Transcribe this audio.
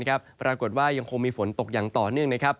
แปรกวดว่ายังคงมีฝนตกอย่างต่อเนื่อง